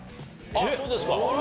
あっそうですか？